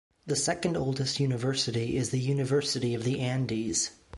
The second oldest university is the University of the Andes.